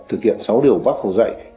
thực hiện sáu điều bác hồ dạy